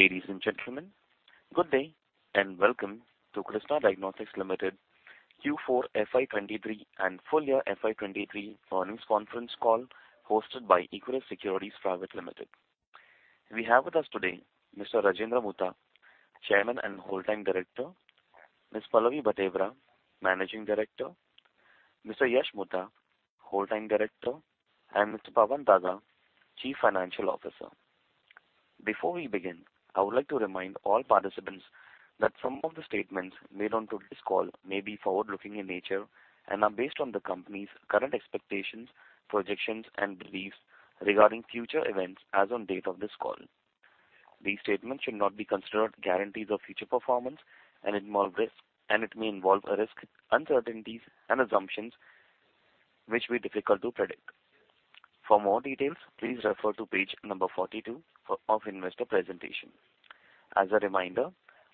Ladies and gentlemen, good day, welcome to Krsnaa Diagnostics Limited Q4 FY 2023 and full year FY 2023 earnings conference call, hosted by Equirus Securities Private Limited. We have with us today Mr. Rajendra Mutha, Chairman and Whole Time Director, Ms. Pallavi Bhatevara, Managing Director, Mr. Yash Mutha, Whole Time Director, and Mr. Pawan Daga, Chief Financial Officer. Before we begin, I would like to remind all participants that some of the statements made on today's call may be forward-looking in nature and are based on the company's current expectations, projections, and beliefs regarding future events as on date of this call. These statements should not be considered guarantees of future performance, it may involve a risk, uncertainties, and assumptions, which be difficult to predict. For more details, please refer to page number 42 of investor presentation. As a reminder,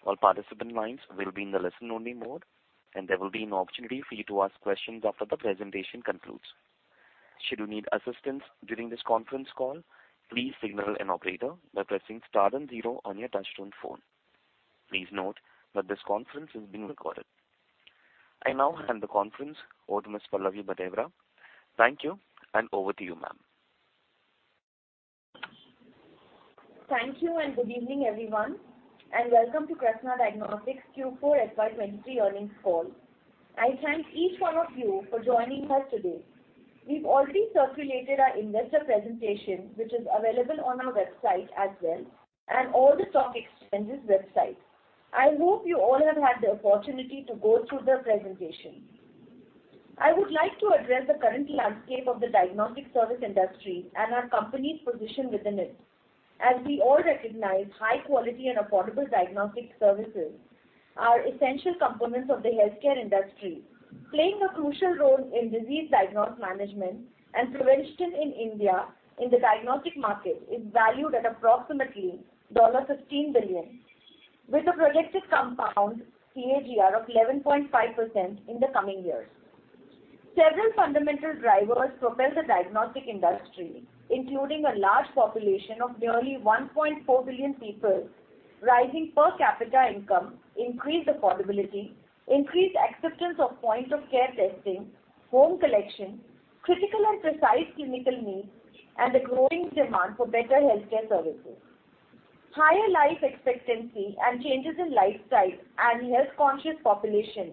all participant lines will be in the listen-only mode, and there will be an opportunity for you to ask questions after the presentation concludes. Should you need assistance during this conference call, please signal an operator by pressing star and zero on your touchtone phone. Please note that this conference is being recorded. I now hand the conference over to Ms. Pallavi Bhatevara. Thank you, and over to you, ma'am. Thank you. Good evening, everyone, and welcome to Krsnaa Diagnostics Q4 FY2023 earnings call. I thank each one of you for joining us today. We've already circulated our investor presentation, which is available on our website as well. All the stock exchanges website. I hope you all have had the opportunity to go through the presentation. I would like to address the current landscape of the diagnostic service industry and our company's position within it. As we all recognize, high quality and affordable diagnostic services are essential components of the healthcare industry, playing a crucial role in disease diagnosis, management, and prevention in India. The diagnostic market is valued at approximately $15 billion, with a projected compound CAGR of 11.5% in the coming years. Several fundamental drivers propel the diagnostic industry, including a large population of nearly 1.4 billion people, rising per capita income, increased affordability, increased acceptance of point of care testing, home collection, critical and precise clinical needs, and the growing demand for better healthcare services. Higher life expectancy and changes in lifestyle and health-conscious population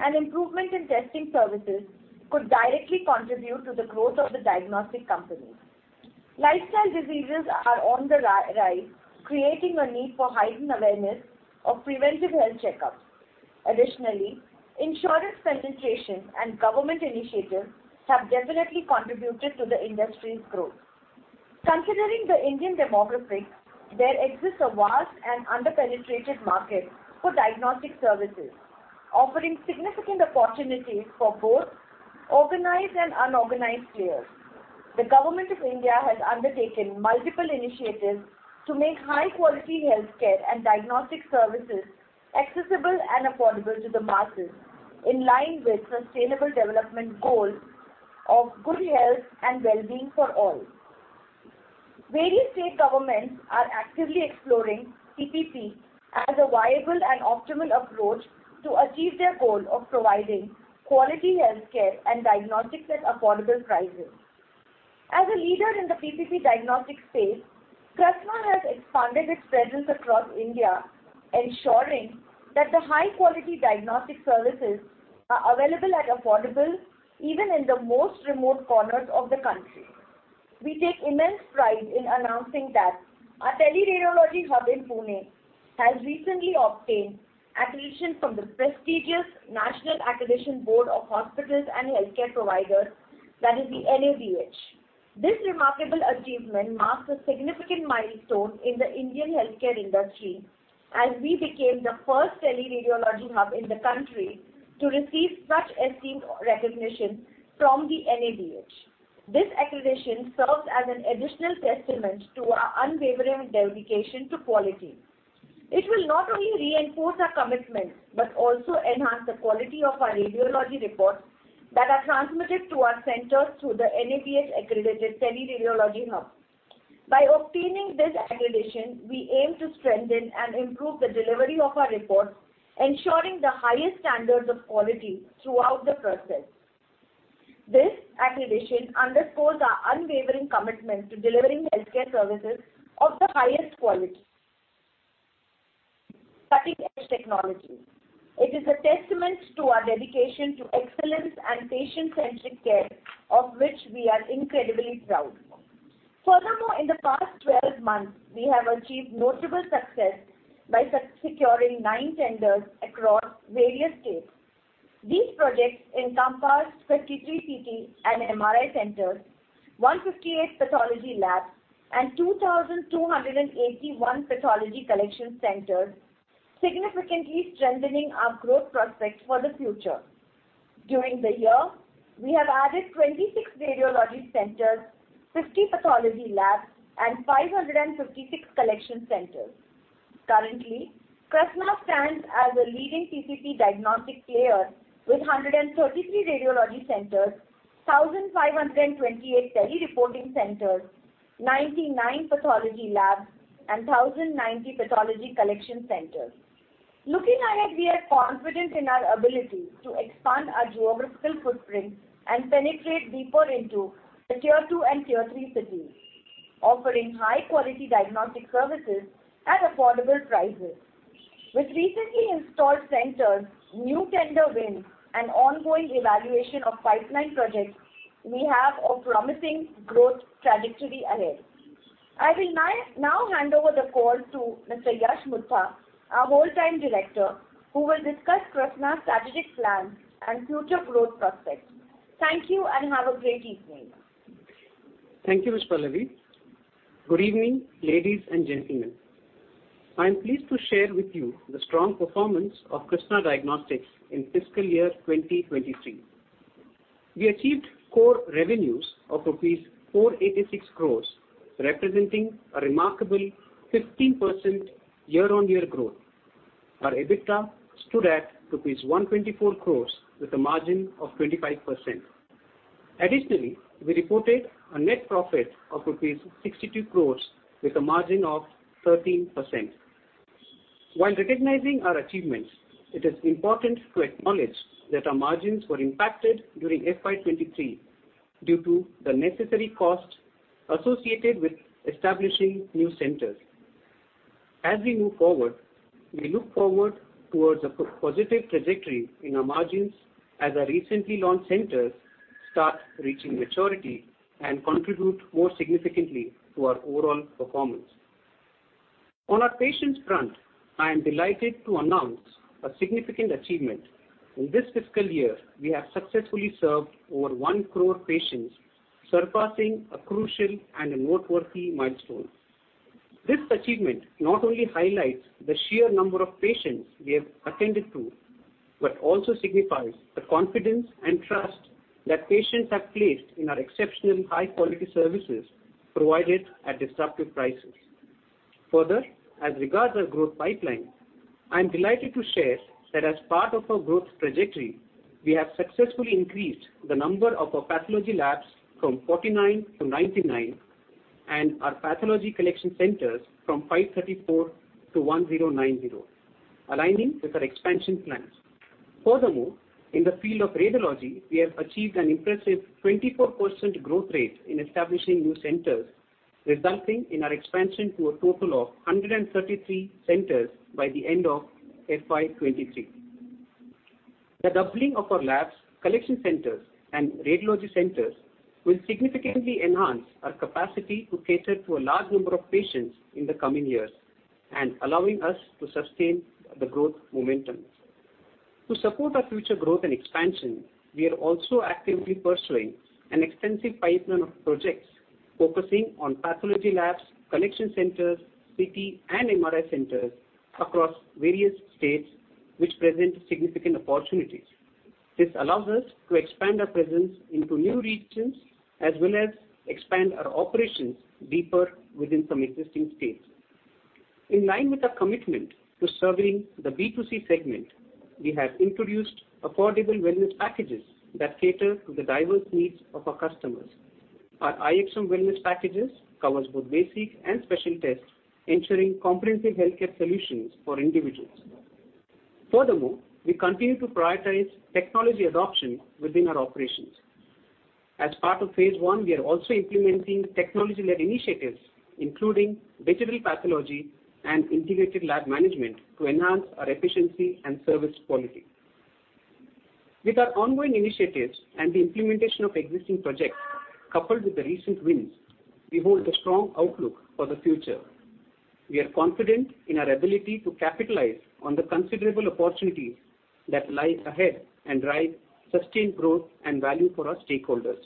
and improvement in testing services could directly contribute to the growth of the diagnostic companies. Lifestyle diseases are on the rise, creating a need for heightened awareness of preventive health checkups. Additionally, insurance penetration and government initiatives have definitely contributed to the industry's growth. Considering the Indian demographics, there exists a vast and under-penetrated market for diagnostic services, offering significant opportunities for both organized and unorganized players. The Government of India has undertaken multiple initiatives to make high-quality healthcare and diagnostic services accessible and affordable to the masses, in line with sustainable development goals of good health and well-being for all. Various state governments are actively exploring PPP as a viable and optimal approach to achieve their goal of providing quality healthcare and diagnostics at affordable prices. As a leader in the PPP diagnostic space, Krsna has expanded its presence across India, ensuring that the high-quality diagnostic services are available and affordable even in the most remote corners of the country. We take immense pride in announcing that our teleradiology hub in Pune has recently obtained accreditation from the prestigious National Accreditation Board for Hospitals & Healthcare Providers, that is the NABH. This remarkable achievement marks a significant milestone in the Indian healthcare industry, as we became the first teleradiology hub in the country to receive such esteemed recognition from the NABH. This accreditation serves as an additional testament to our unwavering dedication to quality. It will not only reinforce our commitment, but also enhance the quality of our radiology reports that are transmitted to our centers through the NABH accredited teleradiology hub. By obtaining this accreditation, we aim to strengthen and improve the delivery of our reports, ensuring the highest standards of quality throughout the process. This accreditation underscores our unwavering commitment to delivering healthcare services of the highest quality. Cutting-edge technology. It is a testament to our dedication to excellence and patient-centric care, of which we are incredibly proud. Furthermore, in the past 12 months, we have achieved notable success by securing nine tenders across various states. These projects encompass 53 CT and MRI centers, 158 pathology labs, and 2,281 pathology collection centers, significantly strengthening our growth prospects for the future. During the year, we have added 26 radiology centers, 50 pathology labs, and 556 collection centers. Currently, Krsnaa stands as a leading PPP diagnostic player with 133 radiology centers, 1,528 tele-reporting centers, 99 pathology labs, and 1,090 pathology collection centers. Looking ahead, we are confident in our ability to expand our geographical footprint and penetrate deeper into the Tier 2 and Tier 3 cities, offering high-quality diagnostic services at affordable prices. With recently installed centers, new tender wins, and ongoing evaluation of pipeline projects, we have a promising growth trajectory ahead. I will now hand over the call to Mr. Yash Mutha, our Whole Time Director, who will discuss Krsnaa's strategic plan and future growth prospects. Thank you. Have a great evening. Thank you, Ms. Pallavi Bhatevara. Good evening, ladies and gentlemen. I'm pleased to share with you the strong performance of Krsnaa Diagnostics in fiscal year 2023. We achieved core revenues of rupees 486 crores, representing a remarkable 15% year-on-year growth. Our EBITDA stood at rupees 124 crores with a margin of 25%. Additionally, we reported a net profit of rupees 62 crores with a margin of 13%. While recognizing our achievements, it is important to acknowledge that our margins were impacted during FY 2023 due to the necessary costs associated with establishing new centers. As we move forward, we look forward towards a positive trajectory in our margins as our recently launched centers start reaching maturity and contribute more significantly to our overall performance. On our patients front, I am delighted to announce a significant achievement. In this fiscal year, we have successfully served over one crore patients, surpassing a crucial and a noteworthy milestone. This achievement not only highlights the sheer number of patients we have attended to, but also signifies the confidence and trust that patients have placed in our exceptional high-quality services provided at disruptive prices. As regards our growth pipeline, I am delighted to share that as part of our growth trajectory, we have successfully increased the number of our pathology labs from 49-99, and our pathology collection centers from 534-1,090, aligning with our expansion plans. In the field of radiology, we have achieved an impressive 24% growth rate in establishing new centers, resulting in our expansion to a total of 133 centers by the end of FY 2023. The doubling of our labs, collection centers, and radiology centers will significantly enhance our capacity to cater to a large number of patients in the coming years, and allowing us to sustain the growth momentum. To support our future growth and expansion, we are also actively pursuing an extensive pipeline of projects focusing on pathology labs, collection centers, CT, and MRI centers across various states, which present significant opportunities. This allows us to expand our presence into new regions, as well as expand our operations deeper within some existing states. In line with our commitment to serving the B2C segment, we have introduced affordable wellness packages that cater to the diverse needs of our customers. Our iExaM wellness packages covers both basic and special tests, ensuring comprehensive healthcare solutions for individuals. Furthermore, we continue to prioritize technology adoption within our operations. As part of phase one, we are also implementing technology-led initiatives, including digital pathology and integrated lab management, to enhance our efficiency and service quality. With our ongoing initiatives and the implementation of existing projects, coupled with the recent wins, we hold a strong outlook for the future. We are confident in our ability to capitalize on the considerable opportunities that lie ahead and drive sustained growth and value for our stakeholders.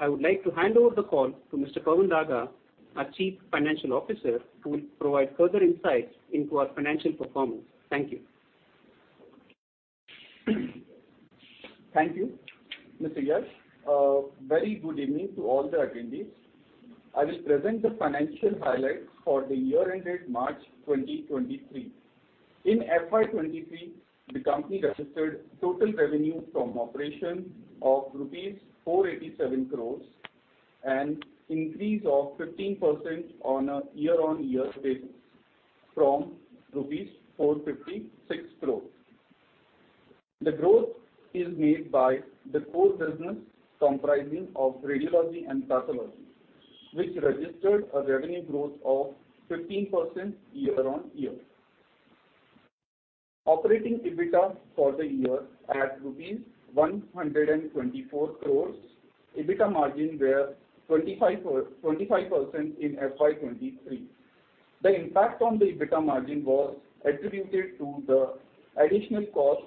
I would like to hand over the call to Mr. Pawan Daga, our Chief Financial Officer, who will provide further insights into our financial performance. Thank you. Thank you, Mr. Yash. Very good evening to all the attendees. I will present the financial highlights for the year ended March 2023. In FY 2023, the company registered total revenue from operation of rupees 487 crores and increase of 15% on a year-on-year basis, from rupees 456 crores. The growth is made by the core business, comprising of radiology and pathology, which registered a revenue growth of 15% year-on-year. Operating EBITDA for the year at rupees 124 crores. EBITDA margin were 25% in FY 2023. The impact on the EBITDA margin was attributed to the additional costs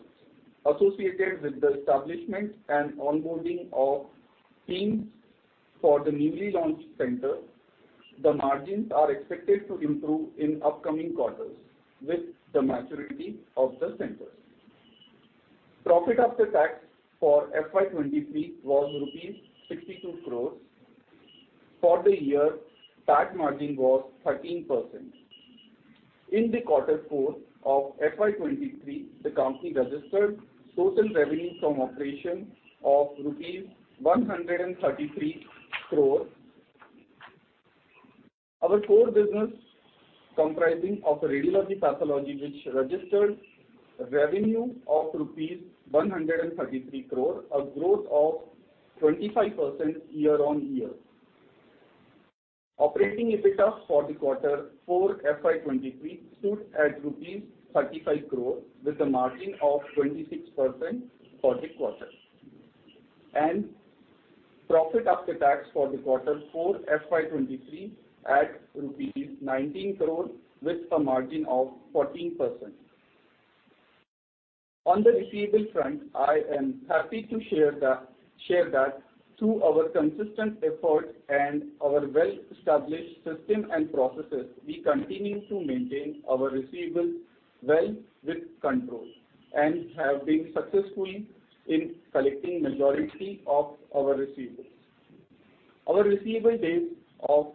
associated with the establishment and onboarding of teams for the newly launched center. The margins are expected to improve in upcoming quarters with the maturity of the centers. Profit after tax for FY 2023 was INR 62 crore. For the year, tax margin was 13%. In the quarter four of FY 2023, the company registered total revenue from operation of rupees 133 crore. Our core business, comprising of radiology pathology, which registered revenue of rupees 133 crore, a growth of 25% year-on-year. Operating EBITDA for the quarter four FY 2023, stood at rupees 35 crore, with a margin of 26% for the quarter. Profit after tax for the quarter four FY 2023, at rupees 19 crore, with a margin of 14%. On the receivable front, I am happy to share that through our consistent effort and our well-established system and processes, we continue to maintain our receivable well with control, and have been successful in collecting majority of our receivables. Our receivable days of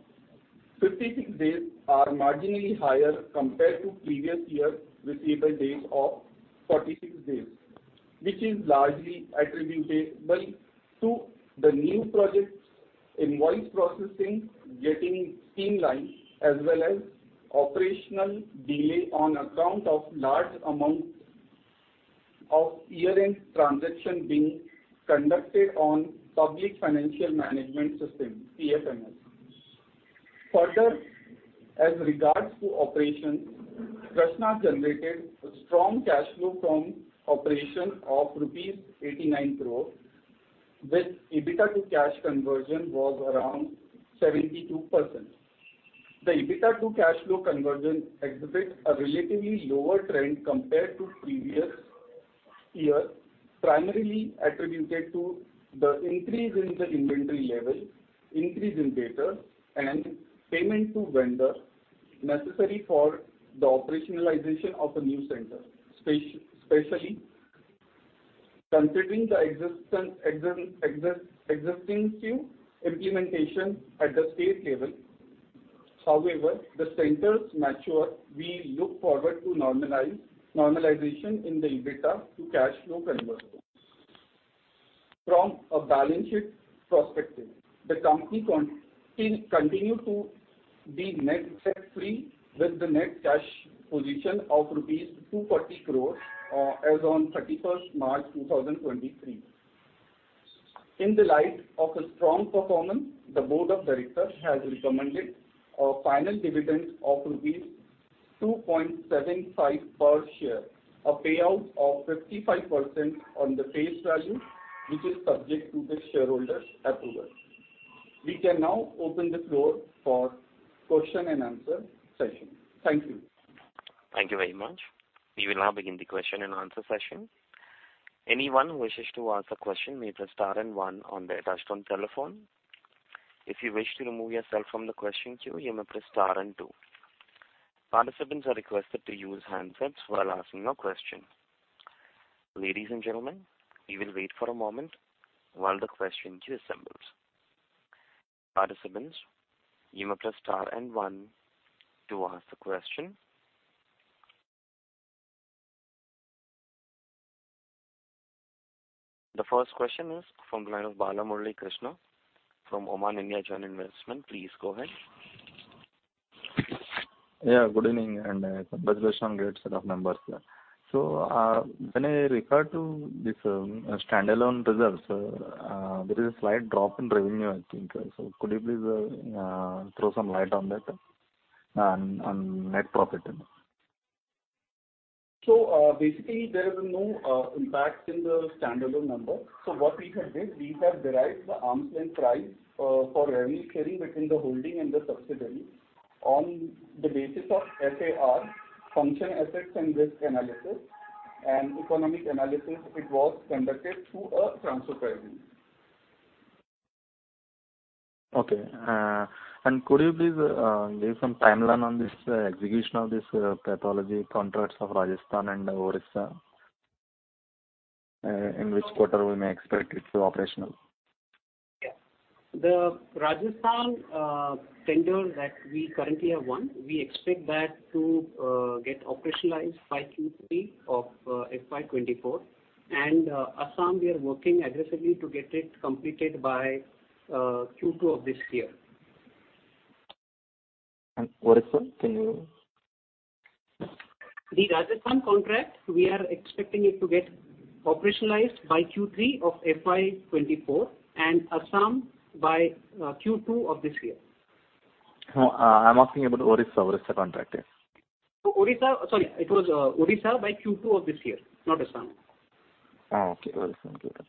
56 days are marginally higher compared to previous year's receivable days of 46 days, which is largely attributed to the new projects, invoice processing, getting streamlined, as well as operational delay on account of large amounts of year-end transaction being conducted on Public Financial Management System, PFMS. As regards to operations, Krsnaa generated a strong cash flow from operation of rupees 89 crore, with EBITDA to cash conversion was around 72%. The EBITDA to cash flow conversion exhibit a relatively lower trend compared to previous year, primarily attributed to the increase in the inventory level, increase in data, and payment to vendor necessary for the operationalization of a new center, specially considering the existing few implementation at the state level. However, the centers mature, we look forward to normalization in the EBITDA to cash flow conversion. From a balance sheet perspective, the company continue to be net debt free, with the net cash position of rupees 240 crores as on 31st March, 2023. In the light of a strong performance, the board of directors has recommended a final dividend of rupees 2.75 per share, a payout of 55% on the face value, which is subject to the shareholders' approval. We can now open the floor for question and answer session. Thank you. Thank you very much. We will now begin the question and answer session. Anyone who wishes to ask a question may press star and one on their touchtone telephone. If you wish to remove yourself from the question queue, you may press star and two. Participants are requested to use handsets while asking your question. Ladies and gentlemen, we will wait for a moment while the question queue assembles. Participants, you may press star and 1 to ask the question. The first question is from line of Balamurali Krishna from Oman India Joint Investment. Please go ahead. Yeah, good evening, and congratulations on great set of numbers. When I refer to this, standalone results, there is a slight drop in revenue, I think. Could you please, throw some light on that, and net profit? Basically, there is no impact in the standalone number. What we have did, we have derived the arm's length price for revenue sharing between the holding and the subsidiary. On the basis of FAR, function, assets, and risk analysis, and economic analysis, it was conducted through a transfer pricing. Okay. Could you please give some timeline on this execution of this pathology contracts of Rajasthan and Odisha? In which quarter we may expect it to operational? Yeah. The Rajasthan tender that we currently have won, we expect that to get operationalized by Q3 of FY 2024. Assam, we are working aggressively to get it completed by Q2 of this year. Odisha, can you? The Rajasthan contract, we are expecting it to get operationalized by Q3 of FY 2024, and Assam by Q2 of this year. Oh, I'm asking about Odisha contract, yeah? Sorry, it was, Odisha by Q2 of this year, not Assam. Oh, okay. Odisha.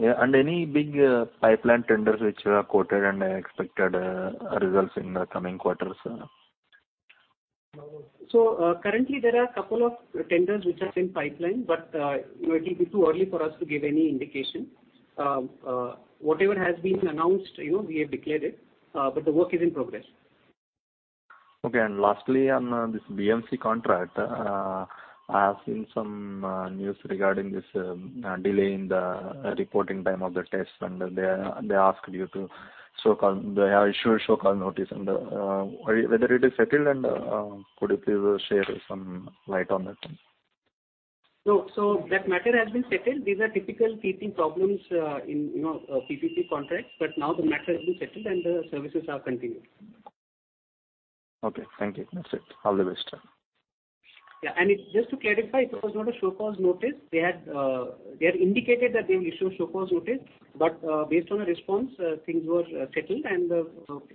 Yeah, any big pipeline tenders which are quoted and expected results in the coming quarters? Currently there are a couple of tenders which are in pipeline, you know, it is too early for us to give any indication. Whatever has been announced, you know, we have declared it, the work is in progress. Okay, lastly, on this BMC contract, I have seen some news regarding this delay in the reporting time of the test, and they asked you to show cause, they have issued show cause notice. Whether it is settled, and could you please share some light on that one? That matter has been settled. These are typical PPP problems, in, you know, PPP contracts. Now the matter has been settled and the services are continuing. Okay, thank you. That's it. All the best. Yeah, just to clarify, it was not a show cause notice. They had indicated that they will issue a show cause notice, but, based on the response, things were settled and,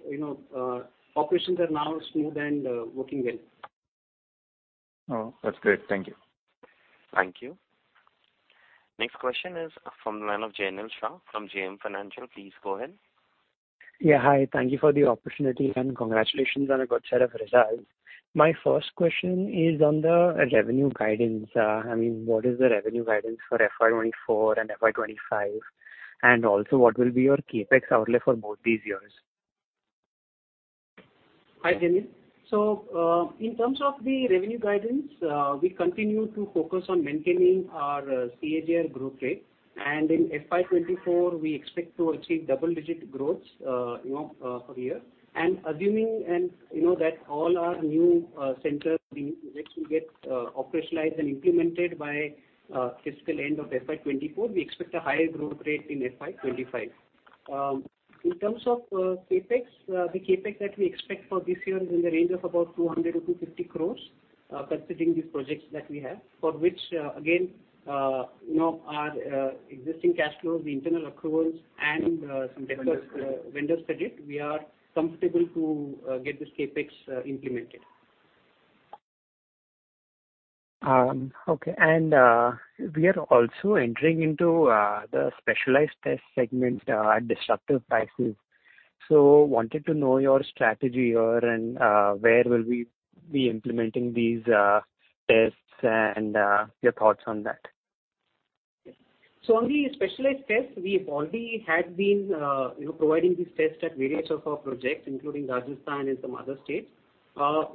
you know, operations are now smooth and working well. Oh, that's great. Thank you. Thank you. Next question is from the line of Jainil Shah from JM Financial. Please go ahead. Yeah, hi. Thank you for the opportunity, and congratulations on a good set of results. My first question is on the revenue guidance. I mean, what is the revenue guidance for FY 2024 and FY 2025? Also, what will be your CapEx outlay for both these years? Hi, Jainil. In terms of the revenue guidance, we continue to focus on maintaining our CAGR growth rate. In FY 2024, we expect to achieve double-digit growth, you know, per year. Assuming, and, you know, that all our new centers which will get operationalized and implemented by fiscal end of FY 2024, we expect a higher growth rate in FY 2025. In terms of CapEx, the CapEx that we expect for this year is in the range of about 200-250 crores, considering these projects that we have, for which, again, you know, our existing cash flows, the internal accruals, and some vendors, vendor credit, we are comfortable to get this CapEx implemented. Okay. We are also entering into the specialized test segment at disruptive prices. Wanted to know your strategy here, and where will we be implementing these tests, and your thoughts on that? On the specialized tests, we already had been, you know, providing these tests at various of our projects, including Rajasthan and some other states.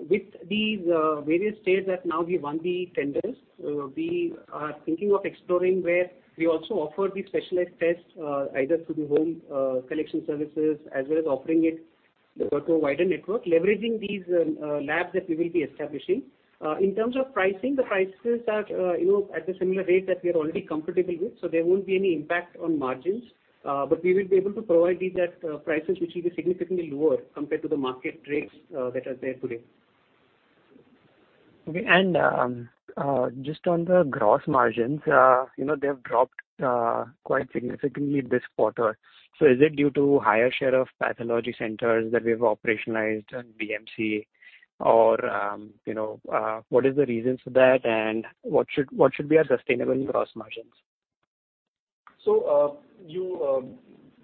With these, various states that now we won the tenders, we are thinking of exploring where we also offer the specialized tests, either through the home, collection services, as well as offering it to a wider network, leveraging these, labs that we will be establishing. In terms of pricing, the prices are, you know, at the similar rate that we are already comfortable with, so there won't be any impact on margins. We will be able to provide these at prices which will be significantly lower compared to the market rates, that are there today. Okay. Just on the gross margins, you know, they have dropped, quite significantly this quarter. Is it due to higher share of pathology centers that we have operationalized in BMC? You know, what is the reason for that, and what should be our sustainable gross margins? You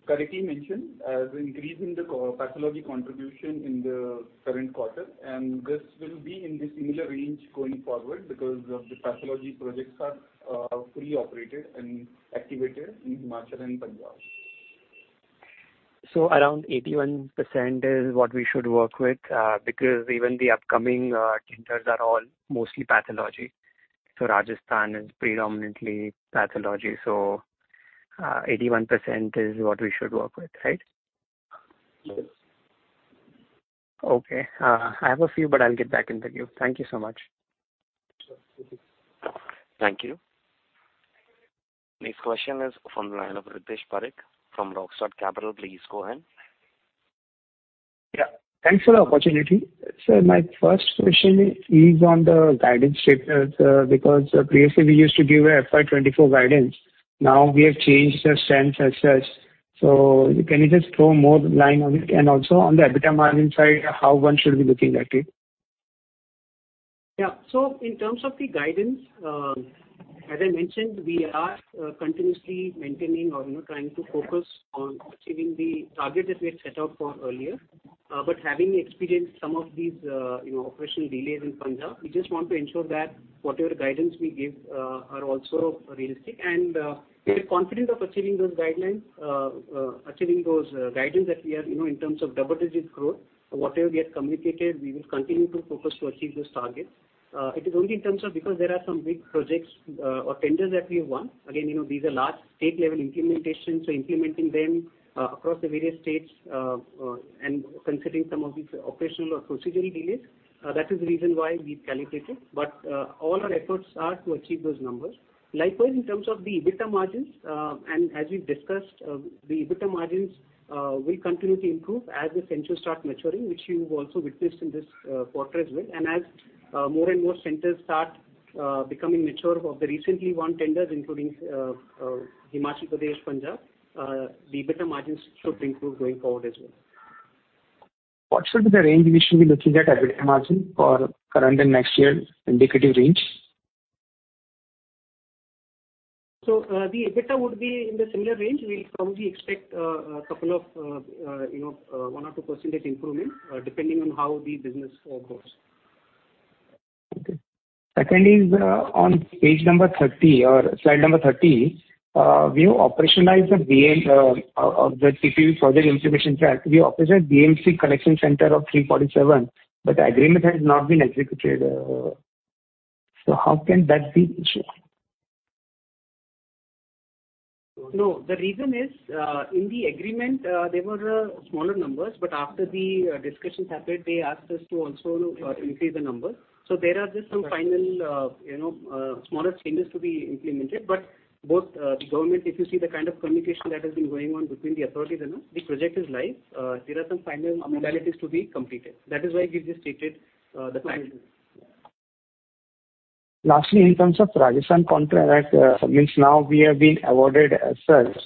correctly mentioned the increase in the pathology contribution in the current quarter, and this will be in the similar range going forward, because the pathology projects are fully operated and activated in Himachal and Punjab. Around 81% is what we should work with, because even the upcoming tenders are all mostly pathology. Rajasthan is predominantly pathology, so 81% is what we should work with, right? Yes. I have a few, but I'll get back into you. Thank you so much. Sure. Thank you. Thank you. Next question is from the line of Ritesh Parekh from Rockstone Capital. Please go ahead. Yeah, thanks for the opportunity. My first question is on the guidance statement, because previously we used to give a FY 2024 guidance. Now we have changed the stance as such. Can you just throw more light on it? Also on the EBITDA margin side, how one should be looking at it? In terms of the guidance, as I mentioned, we are continuously maintaining or, you know, trying to focus on achieving the target that we had set out for earlier. Having experienced some of these, you know, operational delays in Punjab, we just want to ensure that whatever guidance we give are also realistic. We are confident of achieving those guidelines, achieving those guidance that we have, you know, in terms of double-digit growth. Whatever we have communicated, we will continue to focus to achieve those targets. It is only in terms of because there are some big projects or tenders that we have won. You know, these are large state-level implementations, so implementing them across the various states, and considering some of these operational or procedural delays, that is the reason why we've calibrated. All our efforts are to achieve those numbers. Likewise, in terms of the EBITDA margins, and as we've discussed, the EBITDA margins will continue to improve as the centers start maturing, which you've also witnessed in this quarter as well. As more and more centers start becoming mature of the recently won tenders, including, Himachal Pradesh, Punjab, the EBITDA margins should improve going forward as well. What should be the range we should be looking at EBITDA margin for current and next year, indicative range? The EBITDA would be in the similar range. We'll probably expect a couple of, you know, 1% or 2% improvement, depending on how the business goes. Second is, on page number 30 or slide number 30, we have operationalized the VA of the CPU project implementation track. We operate a DMC collection center of 347, but the agreement has not been executed. How can that be issued? No, the reason is, in the agreement, there were smaller numbers, but after the discussions happened, they asked us to also increase the number. There are just some final, you know, smaller changes to be implemented. Both the government, if you see the kind of communication that has been going on between the authorities, you know, the project is live. There are some final modalities to be completed. That is why we just stated the timeline. Lastly, in terms of Rajasthan contract, means now we have been awarded as such.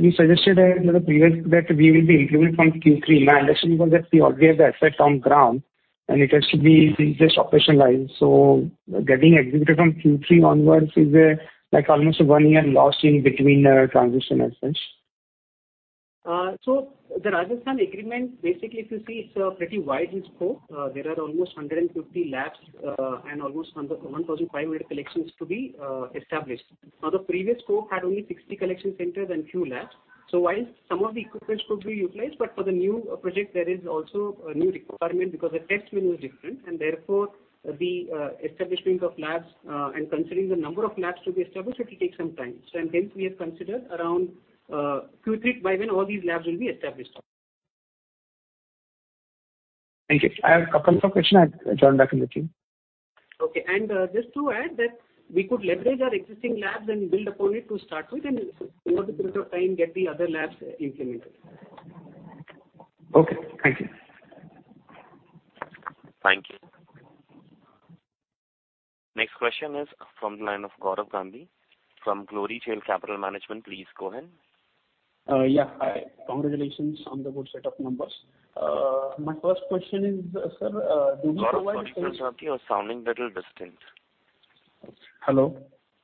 We suggested in the previous that we will be implementing from Q3. My understanding was that we already have the effect on ground, and it has to be just operationalized. Getting executed from Q3 onwards is, like almost one year lost in between, transition as such. The Rajasthan agreement, basically, if you see, it's a pretty wide in scope. There are almost 150 labs, and almost under 1,500 collections to be established. The previous scope had only 60 collection centers and few labs, while some of the equipments could be utilized, for the new project, there is also a new requirement because the test menu is different, therefore, the establishment of labs, and considering the number of labs to be established, it will take some time. We have considered around Q3 by when all these labs will be established. Thank you. I have a couple of questions, and I join back with you. Okay. Just to add that we could leverage our existing labs and build upon it to start with, and over the period of time, get the other labs implemented. Okay, thank you. Thank you. Next question is from the line of Gaurav Gandhi from Glorytail Capital Management. Please go ahead. Yeah. Hi. Congratulations on the good set of numbers. My first question is, sir. Gaurav, you are sounding little distant. Hello?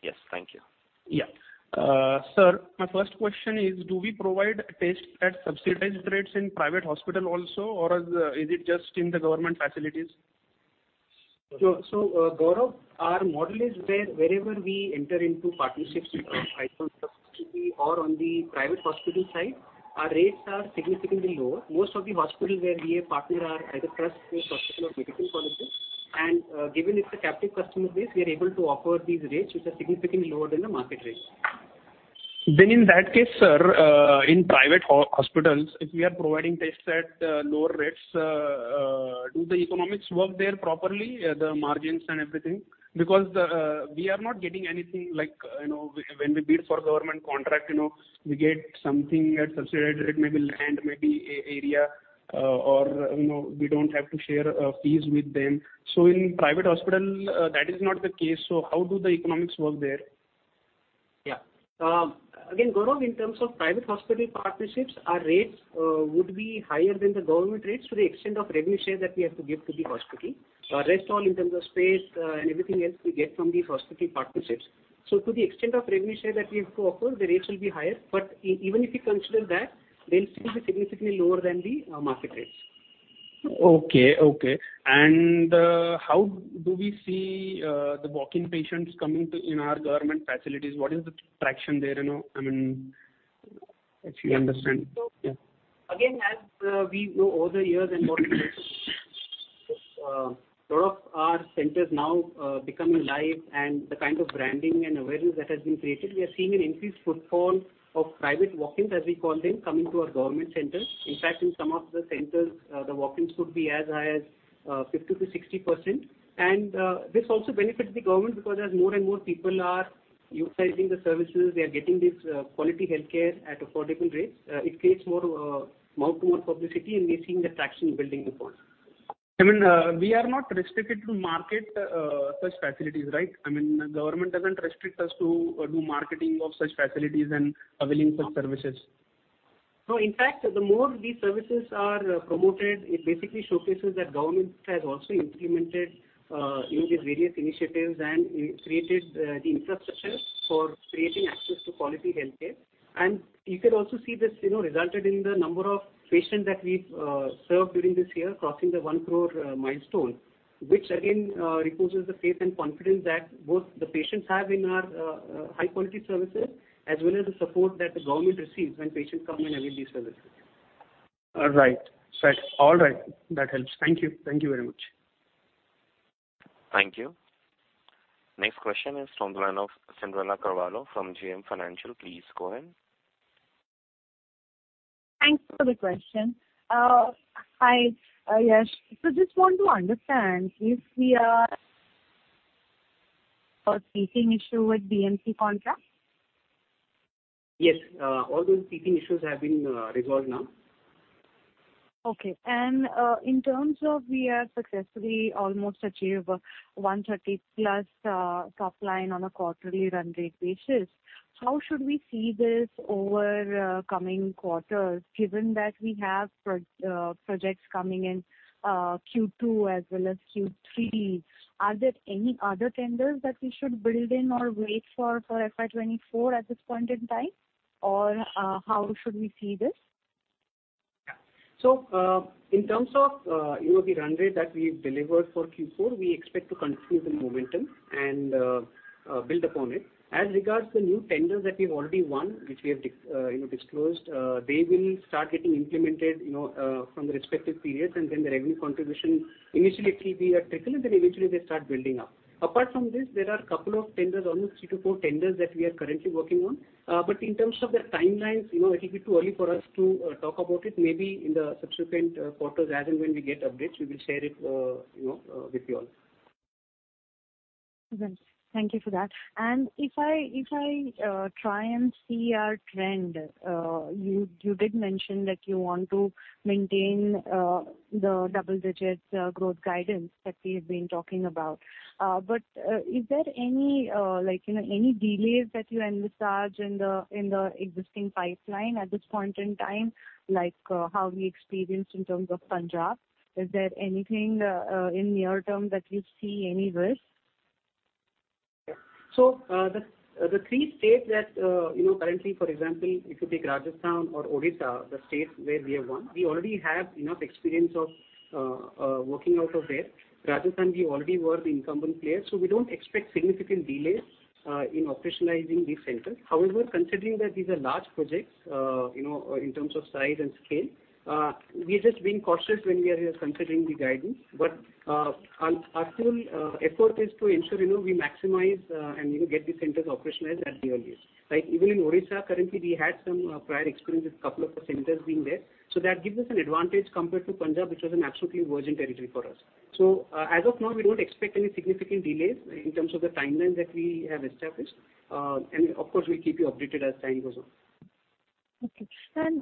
Yes, thank you. Yeah. sir, my first question is, do we provide a test at subsidized rates in private hospital also, or is it just in the government facilities? Gaurav, our model is wherever we enter into partnerships with private or on the private hospital side, our rates are significantly lower. Most of the hospitals where we are partner are either trust or hospital or medical colleges, and given it's a captive customer base, we are able to offer these rates, which are significantly lower than the market rate. In that case, sir, in private hospitals, if we are providing tests at lower rates, do the economics work there properly, the margins and everything? Because the, we are not getting anything like, you know, when we bid for government contract, you know, we get something at subsidized rate, maybe land, maybe area, or, you know, we don't have to share, fees with them. In private hospital, that is not the case, so how do the economics work there? Again, Gaurav, in terms of private hospital partnerships, our rates would be higher than the government rates to the extent of revenue share that we have to give to the hospital. Rest all in terms of space and everything else we get from the hospital partnerships. To the extent of revenue share that we have to offer, the rates will be higher, but even if you consider that, they'll still be significantly lower than the market rates. Okay, okay. How do we see the walk-in patients coming to in our government facilities? What is the traction there, you know? I mean, if you understand. Again, as we know over the years and what a lot of our centers now becoming live and the kind of branding and awareness that has been created, we are seeing an increased footfall of private walk-ins, as we call them, coming to our government centers. In fact, in some of the centers, the walk-ins could be as high as 50%-60%. This also benefits the government because as more and more people are utilizing the services, they are getting this quality healthcare at affordable rates. It creates more mouth-to-mouth publicity, and we're seeing the traction building upon. I mean, we are not restricted to market such facilities, right? I mean, the government doesn't restrict us to do marketing of such facilities and availing such services. In fact, the more these services are promoted, it basically showcases that government has also implemented in these various initiatives and created the infrastructure for creating access to quality healthcare. You could also see this, you know, resulted in the number of patients that we've served during this year, crossing the one crore milestone, which again reposes the faith and confidence that both the patients have in our high quality services, as well as the support that the government receives when patients come and avail these services. All right. All right, that helps. Thank you. Thank you very much. Thank you. Next question is from the line of Cinderella Carvalho from JM Financial. Please go ahead. Thanks for the question. Hi, Yash. Just want to understand if we are a speaking issue with DMC contract? Yes, all those speaking issues have been resolved now. Okay. In terms of we are successfully almost achieve 130+ top line on a quarterly run rate basis, how should we see this over coming quarters, given that we have projects coming in Q2 as well as Q3? Are there any other tenders that we should build in or wait for FY 2024 at this point in time? How should we see this? In terms of, you know, the run rate that we've delivered for Q4, we expect to continue the momentum and build upon it. As regards the new tenders that we've already won, which we have, you know, disclosed, they will start getting implemented, you know, from the respective periods, and then the revenue contribution. Initially, it will be a trickle, and then eventually they start building up. Apart from this, there are a couple of tenders, almost three to four tenders, that we are currently working on. In terms of the timelines, you know, it will be too early for us to talk about it. Maybe in the subsequent quarters, as and when we get updates, we will share it, you know, with you all. Thank you for that. If I try and see our trend, you did mention that you want to maintain the double-digit growth guidance that we have been talking about. Is there any like, you know, any delays that you envisage in the existing pipeline at this point in time, like how we experienced in terms of Punjab? Is there anything in near term that you see any risk? The three states that, you know, currently, for example, if you take Rajasthan or Odisha, the states where we have won, we already have enough experience of working out of there. Rajasthan, we already were the incumbent player, we don't expect significant delays in operationalizing these centers. However, considering that these are large projects, you know, in terms of size and scale, we're just being cautious when we are considering the guidance. Our full effort is to ensure, you know, we maximize and, you know, get the centers operationalized at the earliest, right? Even in Odisha, currently, we had some prior experience with couple of the centers being there, that gives us an advantage compared to Punjab, which was an absolutely virgin territory for us. As of now, we don't expect any significant delays in terms of the timeline that we have established. And of course, we'll keep you updated as time goes on. Okay.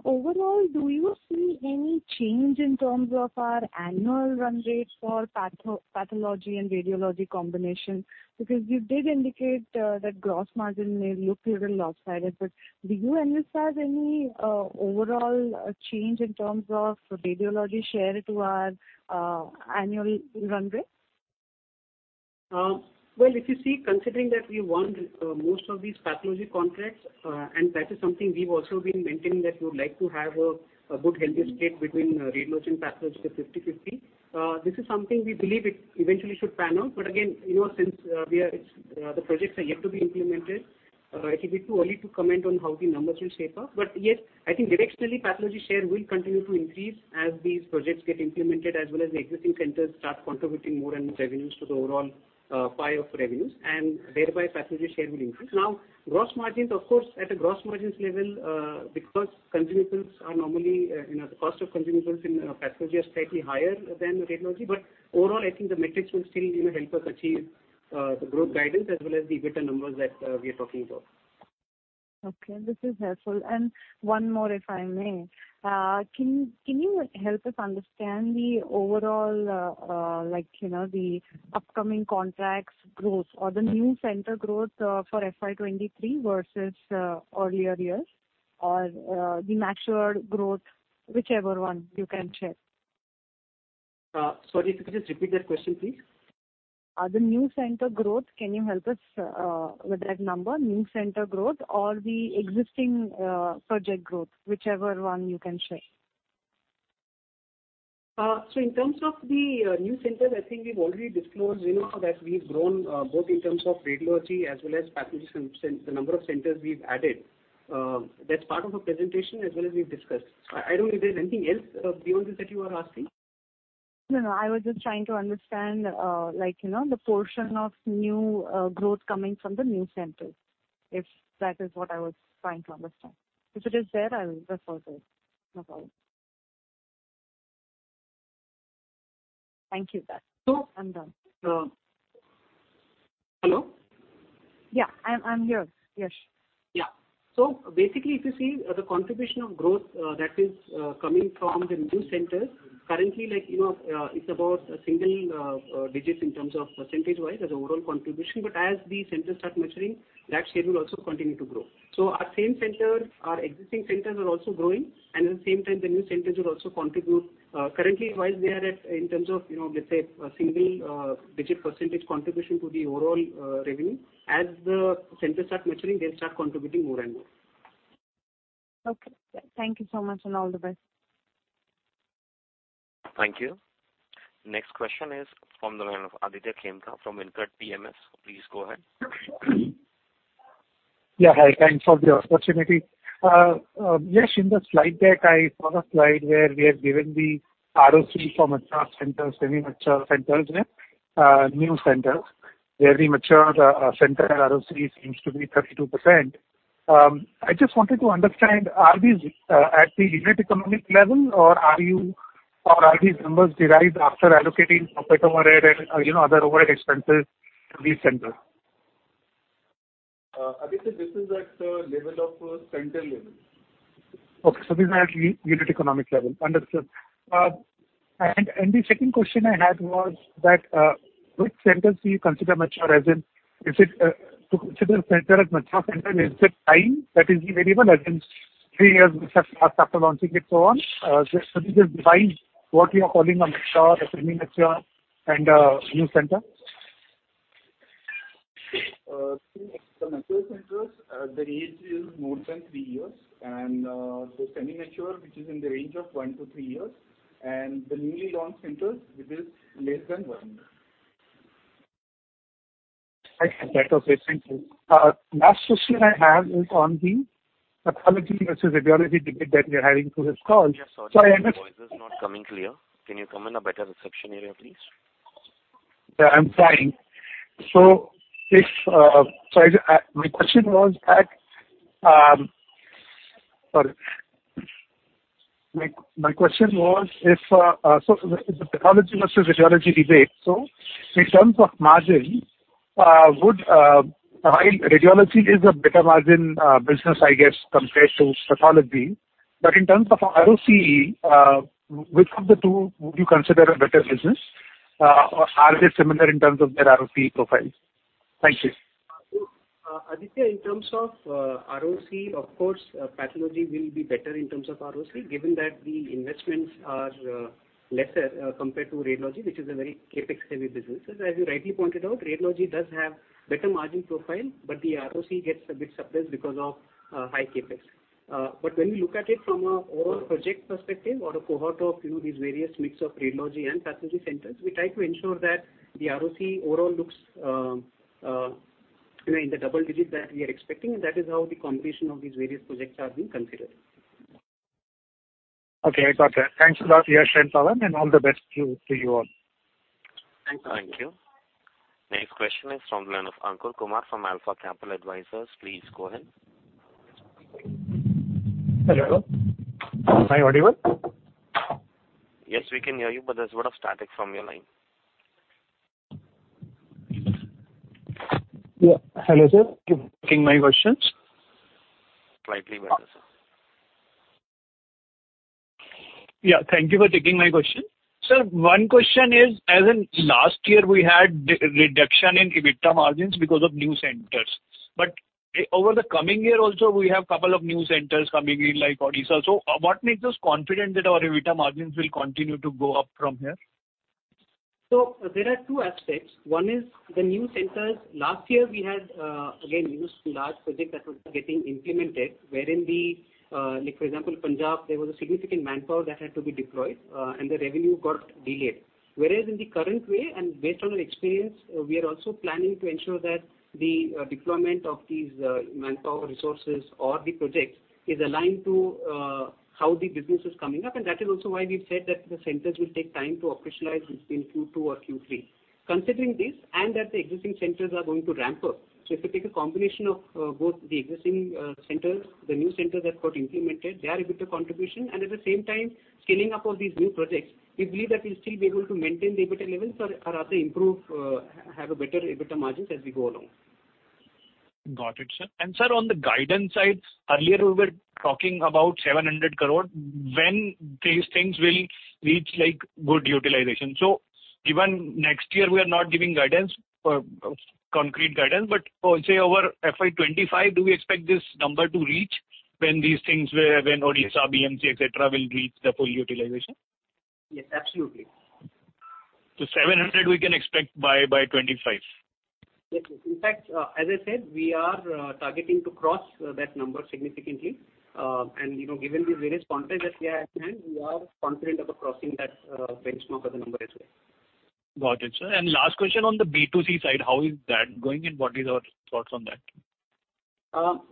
Overall, do you see any change in terms of our annual run rate for pathology and radiology combination? You did indicate that gross margin may look a little lopsided, do you envisage any overall change in terms of radiology share to our annual run rate? Well, if you see, considering that we won most of these pathology contracts, and that is something we've also been maintaining, that we would like to have a good, healthy split between radiology and pathology, 50-50. This is something we believe it eventually should pan out. Again, you know, since it's, the projects are yet to be implemented, it will be too early to comment on how the numbers will shape up. Yes, I think directionally, pathology share will continue to increase as these projects get implemented, as well as the existing centers start contributing more in revenues to the overall pie of revenues, and thereby, pathology share will increase. Now, gross margins, of course, at a gross margins level, because consumables are normally, you know, the cost of consumables in pathology are slightly higher than radiology. Overall, I think the metrics will still, you know, help us achieve, the growth guidance as well as the EBITDA numbers that, we are talking about. Okay, this is helpful. One more, if I may. Can you help us understand the overall like, you know, the upcoming contracts growth or the new center growth for FY 2023 versus earlier years, or the matured growth, whichever one you can share? Sorry, if you could just repeat that question, please. The new center growth, can you help us with that number? New center growth or the existing project growth, whichever one you can share. In terms of the new centers, I think we've already disclosed, you know, that we've grown, both in terms of radiology as well as pathology centers, the number of centers we've added. That's part of the presentation as well as we've discussed. I don't know if there's anything else, beyond this, that you are asking? No, no, I was just trying to understand, like, you know, the portion of new growth coming from the new centers, if that is what I was trying to understand. If it is there, I will refer to it. No problem. Thank you for that. So. I'm done. Hello? Yeah, I'm here. Yes. Basically, if you see the contribution of growth, that is coming from the new centers, currently, like, you know, it's about a single digits in terms of percentage-wise as an overall contribution, but as the centers start maturing, that share will also continue to grow. Our same centers, our existing centers are also growing, and at the same time, the new centers will also contribute. Currently, while we are at, in terms of, you know, let's say, a single digit percentage contribution to the overall revenue, as the centers start maturing, they'll start contributing more and more. Okay. Thank you so much. All the best. Thank you. Next question is from the line of Aditya Khemka from InCred PMS. Please go ahead. Yeah, hi, thanks for the opportunity. Yes, in the slide deck, I saw a slide where we are given the ROC from mature centers, semi-mature centers, new centers, where the mature center ROC seems to be 32%. I just wanted to understand, are these at the unit economic level, or are these numbers derived after allocating operator and, you know, other overhead expenses to these centers? Aditya, this is at level of center level. Okay, these are at unit economic level. Understood. The second question I had was that, which centers do you consider mature, as in, is it to consider center as mature center, is it time that is variable, as in three years after launching it, so on? Could you define what you are calling a mature, a semi-mature, and a new center? The mature centers, the range is more than three years, and the semi-mature, which is in the range of 1-3 years, and the newly launched centers, which is less than one year. Right. Okay, thank you. Last question I have is on the pathology versus radiology debate that we are having through this call. Yeah, sorry, sir, your voice is not coming clear. Can you come in a better reception area, please? Yeah, I'm sorry. My question was if the pathology versus radiology debate, in terms of margin, would while radiology is a better margin business, I guess, compared to pathology, in terms of ROCE, which of the two would you consider a better business? Or are they similar in terms of their ROCE profiles? Thank you. Aditya, in terms of ROC, of course, pathology will be better in terms of ROC, given that the investments are lesser compared to radiology, which is a very CapEx-heavy business. As you rightly pointed out, radiology does have better margin profile, but the ROC gets a bit suppressed because of high CapEx. When we look at it from an overall project perspective or a cohort of, you know, these various mix of radiology and pathology centers, we try to ensure that the ROC overall looks, you know, in the double-digit that we are expecting, and that is how the combination of these various projects are being considered. Okay, got that. Thanks a lot for your time, Pawan. All the best to you all. Thank you. Thank you. Next question is from the line of Ankur Kumar from Alpha Capital Advisors. Please go ahead. Hello. Hi, audible? Yes, we can hear you, but there's a lot of static from your line. Yeah. Hello, sir. Can you hear my questions? Slightly better, sir. Yeah, thank you for taking my question. Sir, one question is, as in last year, we had re-reduction in EBITDA margins because of new centers. Over the coming year also, we have a couple of new centers coming in, like Odisha. What makes us confident that our EBITDA margins will continue to go up from here? There are two aspects. One is the new centers. Last year, we had again, huge, large project that was getting implemented, wherein the, like for example, Punjab, there was a significant manpower that had to be deployed, and the revenue got delayed. Whereas in the current way, and based on our experience, we are also planning to ensure that the deployment of these manpower resources or the projects is aligned to how the business is coming up. That is also why we've said that the centers will take time to operationalize in Q2 or Q3. Considering this, that the existing centers are going to ramp up, if you take a combination of, both the existing, centers, the new centers that got implemented, their EBITDA contribution, and at the same time, scaling up of these new projects, we believe that we'll still be able to maintain the EBITDA levels or rather improve, have a better EBITDA margins as we go along. Got it, sir. Sir, on the guidance side, earlier we were talking about 700 crore, when these things will reach, like, good utilization. Given next year, we are not giving guidance for concrete guidance, but say over FY 2025, do we expect this number to reach when these things, where, when Odisha, BMC, et cetera, will reach the full utilization? Yes, absolutely. 700 we can expect by 2025? Yes. In fact, as I said, we are targeting to cross that number significantly. You know, given the various contracts that we have at hand, we are confident about crossing that benchmark or the number as well. Got it, sir. Last question on the B2C side, how is that going, and what is our thoughts on that?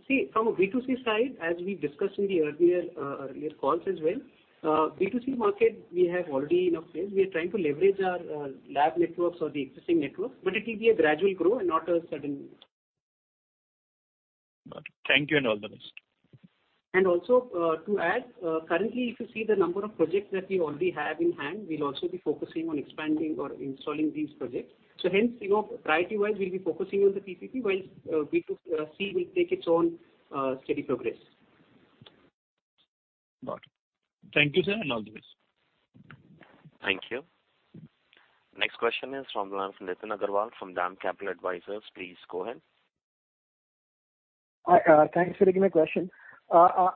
See, from a B2C side, as we discussed in the earlier calls as well, B2C market, we have already enough sales. We are trying to leverage our lab networks or the existing network, it will be a gradual grow and not a sudden. Got it. Thank you, and all the best. Also, to add, currently, if you see the number of projects that we already have in hand, we'll also be focusing on expanding or installing these projects. Hence, you know, priority-wise, we'll be focusing on the PPP, while B2C will take its own steady progress. Got it. Thank you, sir, and all the best. Thank you. Next question is from the line of Nitin Agarwal from DAM Capital Advisors. Please go ahead. Hi, thanks for taking my question.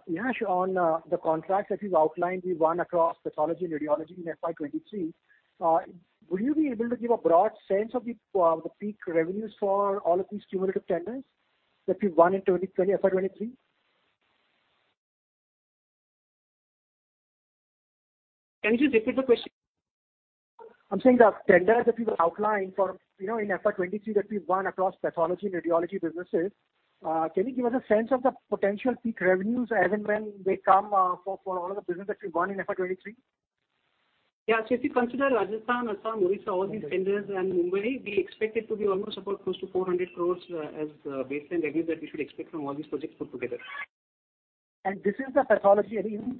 Yash, on the contracts that you've outlined, we won across pathology and radiology in FY 2023, will you be able to give a broad sense of the peak revenues for all of these cumulative tenders that we won in FY 2023? Can you just repeat the question? I'm saying the tenders that you've outlined for, you know, in FY 2023, that we've won across pathology and radiology businesses, can you give us a sense of the potential peak revenues as in when they come, for all of the business that we've won in FY 2023? If you consider Rajasthan, Assam, Odisha, all these tenders and Mumbai, we expect it to be almost about close to 400 crores as baseline revenues that we should expect from all these projects put together. This is the pathology, and even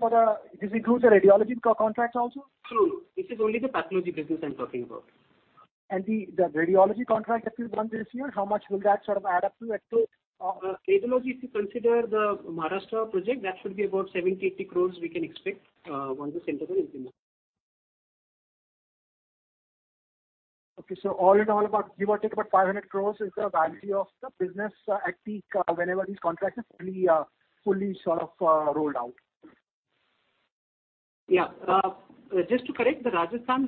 this includes the radiology contracts also? No, this is only the pathology business I'm talking about. The radiology contract that you've won this year, how much will that sort of add up to at the. Radiology, if you consider the Maharashtra project, that should be about 70-80 crores we can expect, once the center will implement. Okay. All in all, about give or take about 500 crores is the value of the business at peak, whenever these contracts are fully sort of rolled out? Just to correct, the Rajasthan,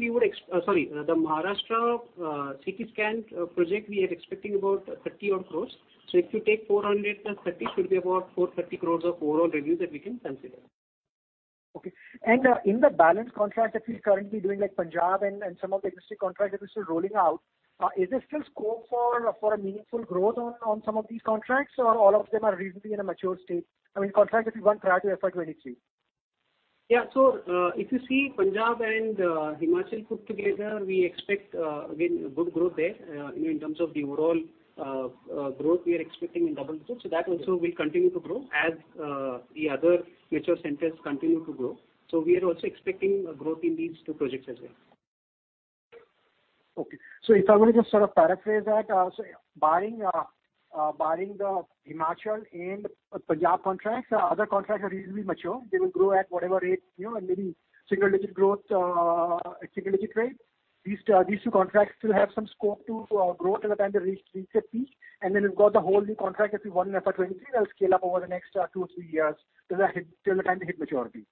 sorry, the Maharashtra, CT scan project, we are expecting about 30 odd crores. If you take 400 + 30, it should be about 430 crores of overall revenue that we can consider. Okay. In the balance contract that you're currently doing, like Punjab and some of the existing contracts that are still rolling out, is there still scope for a meaningful growth on some of these contracts, or all of them are reasonably in a mature state? I mean, contracts that you won prior to FY 2023. Yeah. If you see Punjab and Himachal put together, we expect again, good growth there, you know, in terms of the overall growth, we are expecting in double digit. That also will continue to grow as the other future centers continue to grow. We are also expecting a growth in these two projects as well. If I'm going to just sort of paraphrase that, barring the Himachal and Punjab contracts, other contracts are reasonably mature. They will grow at whatever rate, you know, and maybe single-digit growth, single-digit rate. These two contracts still have some scope to grow till the time they reach their peak. We've got the whole new contract that we won in FY 2023, that'll scale up over the next two or three years, till the time they hit maturity.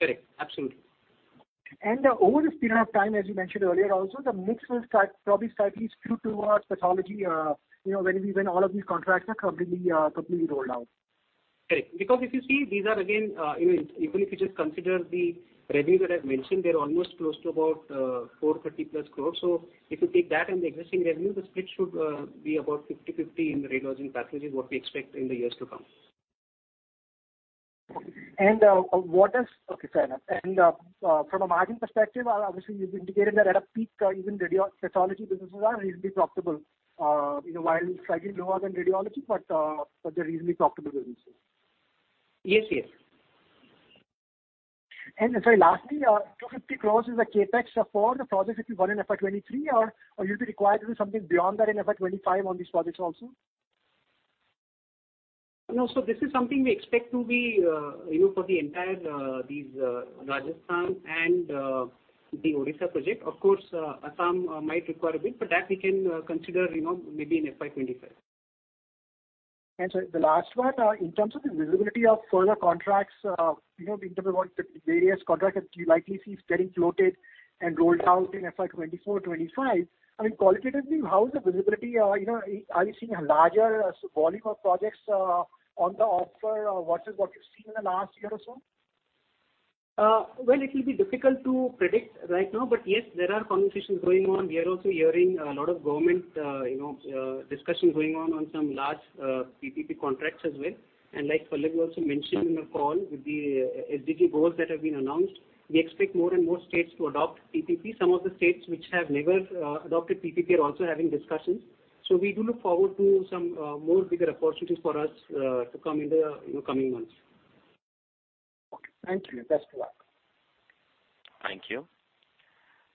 Correct. Absolutely. Over this period of time, as you mentioned earlier, also, the mix will start probably slightly skew towards pathology, you know, when all of these contracts are completely rolled out. Correct. If you see, these are again, you know, even if you just consider the revenue that I've mentioned, they're almost close to about 430+ crores. If you take that and the existing revenue, the split should be about 50/50 in the radiology packages, what we expect in the years to come. Okay, fair enough. From a margin perspective, obviously, you've indicated that at a peak, even radiology, pathology businesses are reasonably profitable, you know, while slightly lower than radiology, but they're reasonably profitable businesses. Yes. Yes. Sorry, lastly, 250 crores is a CapEx for the projects that you won in FY 2023, or you'll be required to do something beyond that in FY 2025 on these projects also? No. This is something we expect to be, you know, for the entire, these, Rajasthan and, the Odisha project. Of course, Assam might require a bit, but that we can consider, you know, maybe in FY 2025. The last one, in terms of the visibility of further contracts, you know, in terms of what the various contracts that you likely see getting floated and rolled out in FY 2024, 2025, I mean, qualitatively, how is the visibility? You know, are you seeing a larger volume of projects, on the offer, or what is what you've seen in the last year or so? Well, it will be difficult to predict right now, but yes, there are conversations going on. We are also hearing a lot of government, you know, discussions going on some large PPP contracts as well. Like Pallavi also mentioned in the call, with the SDG goals that have been announced, we expect more and more states to adopt PPP. Some of the states which have never adopted PPP are also having discussions. We do look forward to some more bigger opportunities for us to come in the, you know, coming months. Okay. Thank you, and best of luck. Thank you.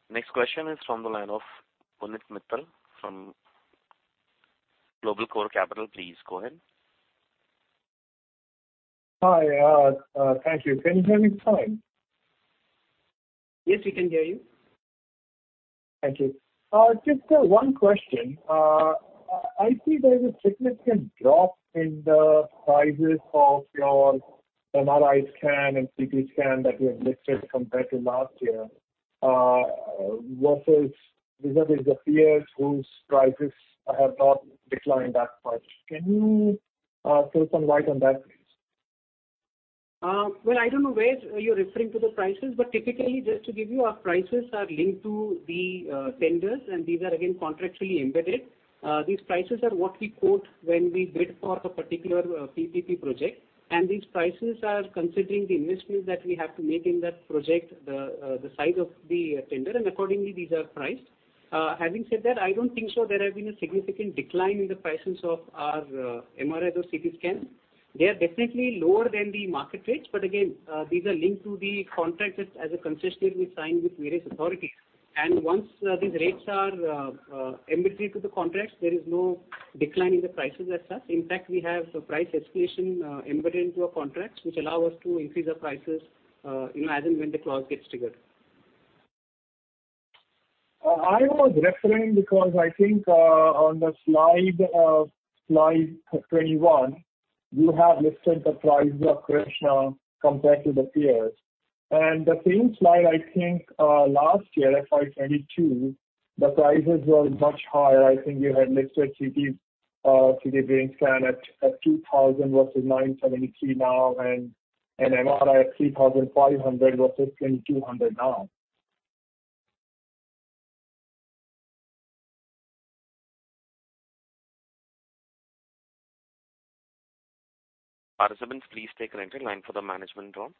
Next question is from the line of Punit Mittal from Global Core Capital. Please go ahead. Hi, thank you. Can you hear me fine? Yes, we can hear you. Thank you. Just one question. I see there is a significant drop in the prices of your MRI scan and CT scan that you have listed compared to last year, versus the peers whose prices have not declined that much. Can you throw some light on that, please? Well, I don't know where you're referring to the prices, but typically, just to give you, our prices are linked to the tenders, and these are again, contractually embedded. These prices are what we quote when we bid for a particular PPP project. And these prices are considering the investments that we have to make in that project, the size of the tender, and accordingly, these are priced. Having said that, I don't think so there has been a significant decline in the prices of our MRI or CT scan. They are definitely lower than the market rates, but again, these are linked to the contracts as a concessionaire we signed with various authorities. And once these rates are embedded to the contracts, there is no decline in the prices as such. In fact, we have a price escalation, embedded into our contracts, which allow us to increase the prices, you know, as and when the clause gets triggered. I was referring because on the Slide 21, you have listed the price of Krsnaa compared to the peers. The same slide, last year, FY 2022, the prices were much higher. CT brain scan at 2,000 versus 973 now, MRI at 3,500 versus 2,200 now. Participants, please take a line for the management prompt.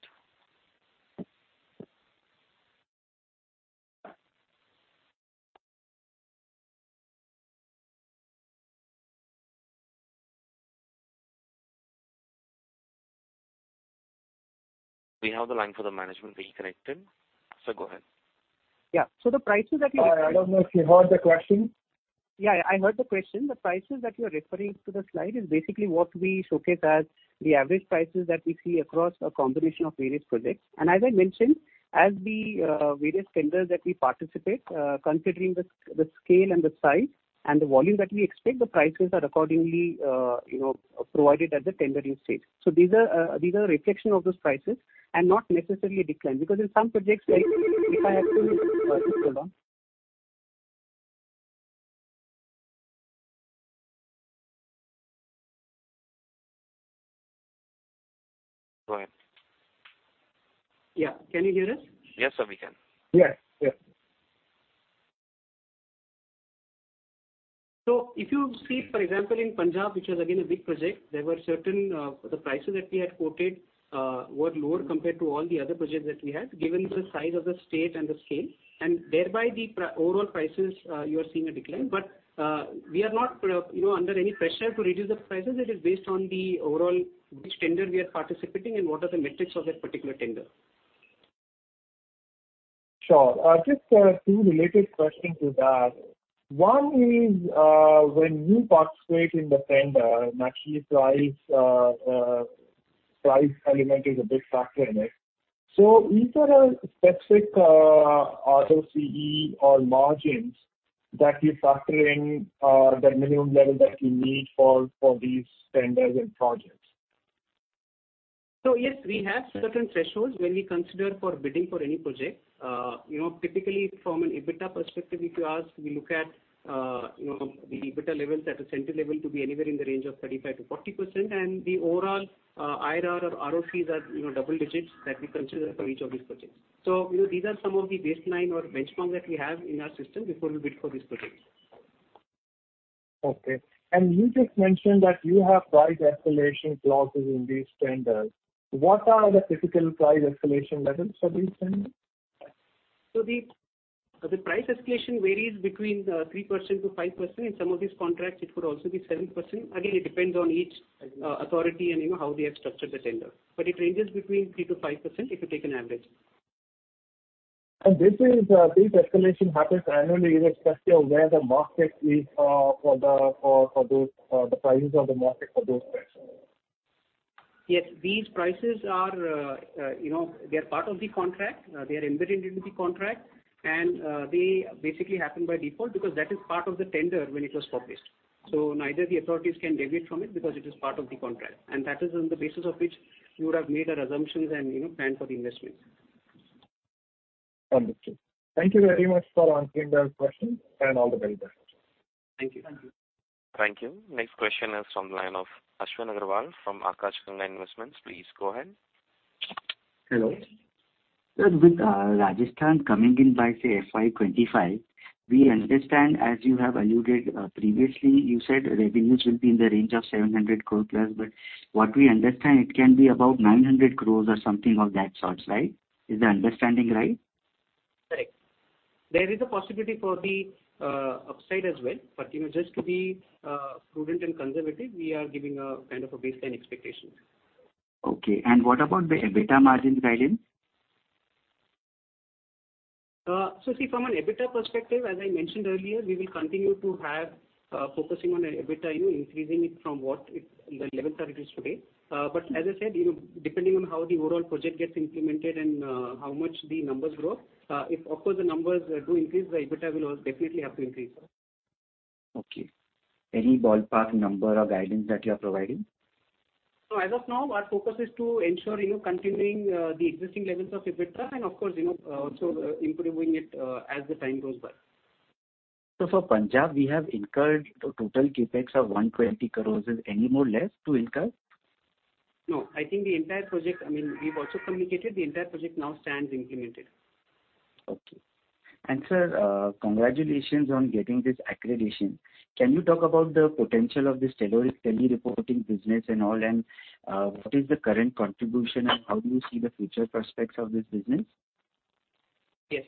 We have the line for the management being connected. Go ahead. Yeah. The prices that. I don't know if you heard the question. Yeah, I heard the question. The prices that you are referring to the slide is basically what we showcase as the average prices that we see across a combination of various projects. As I mentioned, as the various tenders that we participate, considering the scale and the size and the volume that we expect, the prices are accordingly, you know, provided at the tendering stage. These are a reflection of those prices and not necessarily a decline, because in some projects. Hold on. Go ahead. Yeah. Can you hear us? Yes, sir, we can. Yeah. If you see, for example, in Punjab, which was again a big project, there were certain, the prices that we had quoted, were lower compared to all the other projects that we had, given the size of the state and the scale. Thereby the overall prices, you are seeing a decline. We are not, you know, under any pressure to reduce the prices. It is based on the overall which tender we are participating and what are the metrics of that particular tender. Sure. Just two related questions to that. One is, when you participate in the tender, naturally price element is a big factor in it. Is there a specific ROCE or margins that you're factoring, the minimum level that you need for these tenders and projects? Yes, we have certain thresholds when we consider for bidding for any project. You know, typically from an EBITDA perspective, if you ask, we look at, you know, the EBITDA levels at a center level to be anywhere in the range of 35%-40%. The overall IRR or ROCes are, you know, double digits that we consider for each of these projects. You know, these are some of the baseline or benchmark that we have in our system before we bid for these projects. Okay. You just mentioned that you have price escalation clauses in these tenders. What are the typical price escalation levels for these tenders? The price escalation varies between 3%-5%. In some of these contracts, it could also be 7%. It depends on each authority and, you know, how they have structured the tender. It ranges between 3%-5% if you take an average. This is, these escalation happens annually in a structure where the market is, for those, the prices of the market for those prices. Yes. These prices are, you know, they are part of the contract. They are embedded into the contract, and they basically happen by default because that is part of the tender when it was published. Neither the authorities can deviate from it because it is part of the contract, and that is on the basis of which you would have made our assumptions and, you know, planned for the investments. Understood. Thank you very much for answering those questions, and all the best. Thank you. Thank you. Next question is from the line of Ashwin Agarwal from Akash Ganga Investments. Please go ahead. Hello. Sir, with Rajasthan coming in by, say, FY 2025, we understand, as you have alluded, previously, you said revenues will be in the range of 700 crore plus, but what we understand, it can be about 900 crores or something of that sort, right? Is the understanding right? Correct. There is a possibility for the upside as well. You know, just to be prudent and conservative, we are giving a kind of a baseline expectation. Okay. What about the EBITDA margin guidance? See, from an EBITDA perspective, as I mentioned earlier, we will continue to have, focusing on the EBITDA, you know, increasing it from the levels are it is today. As I said, you know, depending on how the overall project gets implemented and, how much the numbers grow, if of course, the numbers do increase, the EBITDA will definitely have to increase. Okay. Any ballpark number or guidance that you are providing? As of now, our focus is to ensure, you know, continuing the existing levels of EBITDA, and of course, you know, also improving it as the time goes by. For Punjab, we have incurred a total CapEx of 120 crores. Is any more less to incur? No, I think the entire project, I mean, we've also communicated, the entire project now stands implemented. Okay. Sir, congratulations on getting this accreditation. Can you talk about the potential of this teleradiology reporting business and all, and, what is the current contribution, and how do you see the future prospects of this business? Yes.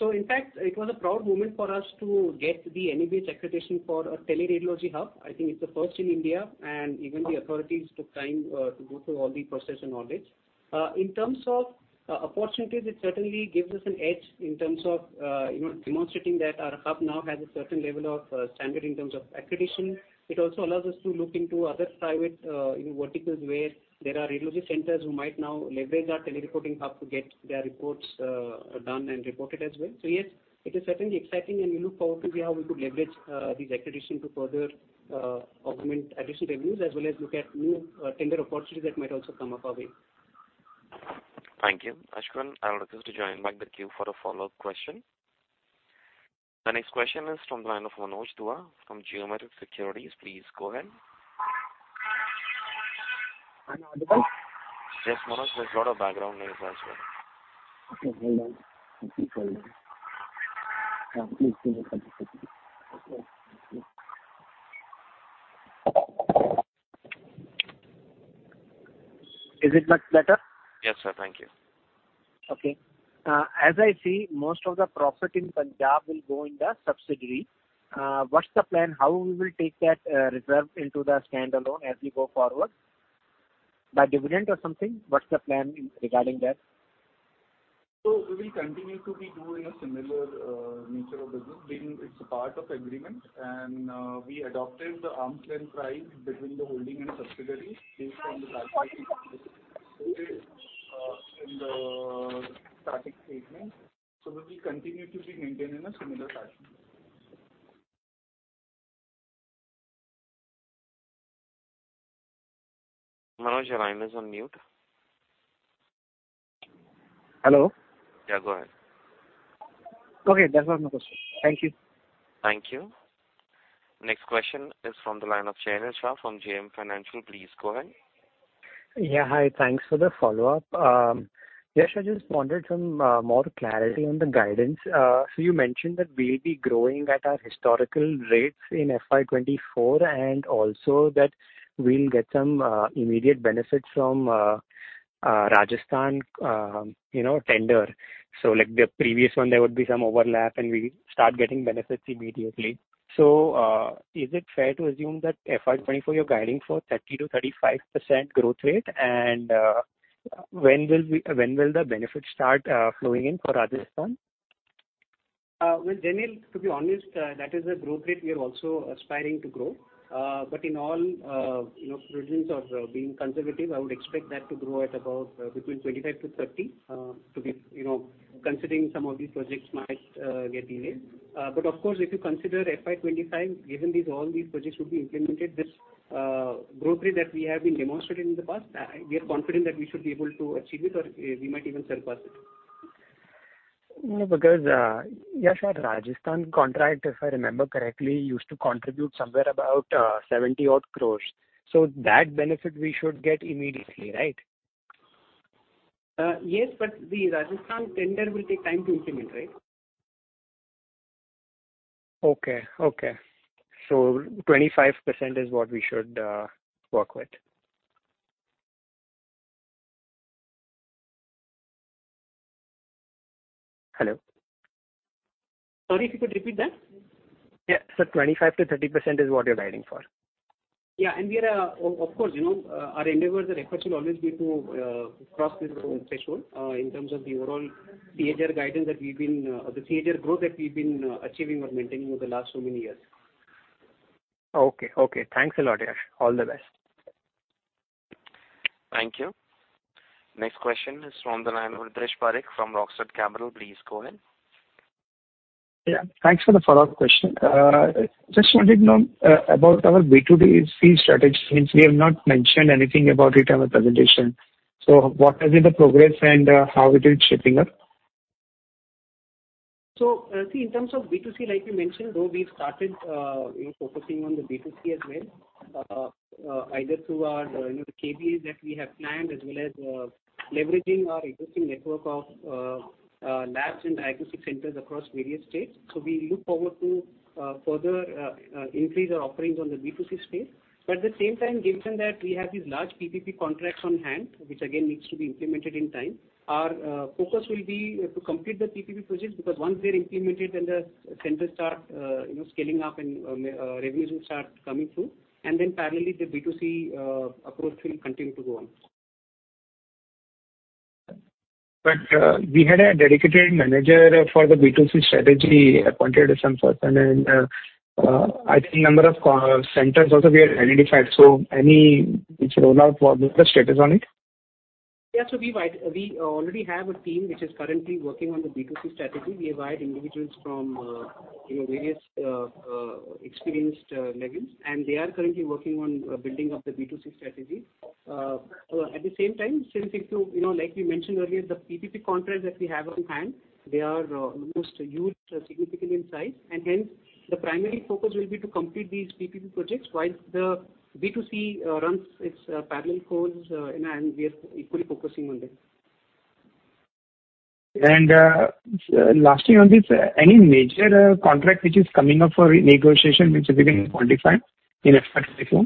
In fact, it was a proud moment for us to get the NABH accreditation for a teleradiology hub. I think it's a first in India, and even the authorities took time to go through all the process and audits. In terms of opportunities, it certainly gives us an edge in terms of, you know, demonstrating that our hub now has a certain level of standard in terms of accreditation. It also allows us to look into other private, you know, verticals where there are radiology centers who might now leverage our telereporting hub to get their reports done and reported as well. Yes, it is certainly exciting, and we look forward to see how we could leverage these accreditation to further augment addition revenues, as well as look at new tender opportunities that might also come up our way. Thank you. Ashwin, I'll request you to join back the queue for a follow-up question. The next question is from the line of Manoj Dua from Geometric Securities. Please go ahead. I'm audible? Yes, Manoj, there's a lot of background noise as well. Okay, hold on. Is it much better? Yes, sir. Thank you. Okay. As I see, most of the profit in Punjab will go in the subsidiary. What's the plan? How we will take that reserve into the standalone as we go forward? By dividend or something, what's the plan regarding that? We will continue to be doing a similar, nature of business, being it's part of agreement, and, we adopted the arm's length price between the holding and subsidiaries based on the static statement. We will continue to be maintained in a similar fashion. Manoj, your line is on mute. Hello? Yeah, go ahead. Okay, that's not my question. Thank you. Thank you. Next question is from the line of Jay Shah from JM Financial. Please go ahead. Hi. Thanks for the follow-up. I just wanted some more clarity on the guidance. You mentioned that we'll be growing at our historical rates in FY 2024, and also that we'll get some immediate benefits from Rajasthan, you know, tender. Like the previous one, there would be some overlap, and we start getting benefits immediately. Is it fair to assume that FY 2024, you're guiding for 30%-35% growth rate? When will the benefits start flowing in for Rajasthan? Well, Jay, to be honest, that is a growth rate we are also aspiring to grow. In all, you know, prudence or being conservative, I would expect that to grow at about between 25%-30%, to be, you know, considering some of these projects might get delayed. Of course, if you consider FY 2025, given these, all these projects would be implemented, this growth rate that we have been demonstrating in the past, we are confident that we should be able to achieve it, or we might even surpass it. Because Yash, our Rajasthan contract, if I remember correctly, used to contribute somewhere about 70-odd crores. That benefit we should get immediately, right? Yes, the Rajasthan tender will take time to implement, right? Okay. Okay. 25% is what we should work with. Hello? Sorry, if you could repeat that. Yeah. 25%-30% is what you're guiding for? Yeah, we are. Of course, you know, our endeavors and efforts will always be to cross this threshold in terms of the overall CAGR guidance that we've been or the CAGR growth that we've been achieving or maintaining over the last so many years. Okay. Okay, thanks a lot, Yash. All the best. Thank you. Next question is from the line of Utresh Parekh from Rockford Capital. Please go ahead. Yeah, thanks for the follow-up question. Just wanted to know about our B2B fee strategy, since we have not mentioned anything about it in our presentation. What has been the progress and how it is shaping up? See, in terms of B2C, like you mentioned, though, we've started, you know, focusing on the B2C as well, either through our, you know, the KBs that we have planned, as well as leveraging our existing network of labs and diagnostic centers across various states. We look forward to further increase our offerings on the B2C space. At the same time, given that we have these large PPP contracts on hand, which again needs to be implemented in time, our focus will be to complete the PPP projects, because once they're implemented, then the centers start, you know, scaling up and revenues will start coming through. Parallelly, the B2C approach will continue to go on. We had a dedicated manager for the B2C strategy appointed at some point, and, I think number of co-centers also we had identified. Any, which rollout, what is the status on it? We already have a team which is currently working on the B2C strategy. We have hired individuals from, you know, various experienced levels, and they are currently working on building up the B2C strategy. At the same time, since if you know, like we mentioned earlier, the PPP contracts that we have on hand, they are almost huge, significant in size, and hence, the primary focus will be to complete these PPP projects while the B2C runs its parallel course, and we are equally focusing on them. Lastly on this, any major contract which is coming up for negotiation, which we can quantify in FY 2024?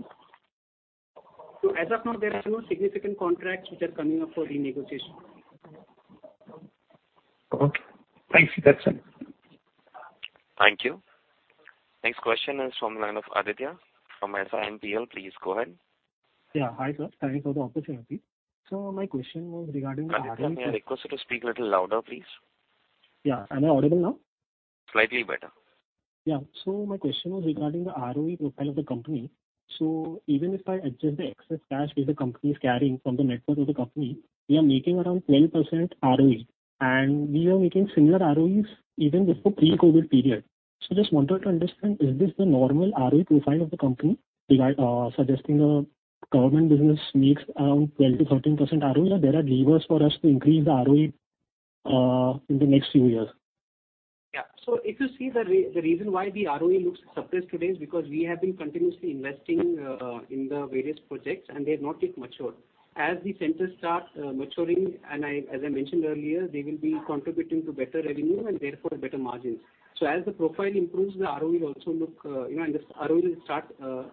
As of now, there are no significant contracts which are coming up for renegotiation. Okay. Thanks, that's it. Thank you. Next question is from the line of Aditya from IIML. Please go ahead. Yeah. Hi, sir, thank you for the opportunity. My question was regarding. Aditya, may I request you to speak little louder, please? Yeah. Am I audible now? Slightly better. Yeah. My question was regarding the ROE profile of the company. Even if I adjust the excess cash which the company is carrying from the network of the company, we are making around 12% ROE, and we are making similar ROEs even before pre-COVID period. Just wanted to understand, is this the normal ROE profile of the company, regard, suggesting the government business makes around 12%-13% ROE, or there are levers for us to increase the ROE in the next few years? Yeah. If you see the reason why the ROE looks suppressed today is because we have been continuously investing in the various projects, and they have not yet matured. As the centers start maturing, as I mentioned earlier, they will be contributing to better revenue and therefore better margins. As the profile improves, the ROE will also look, you know, and this ROE will start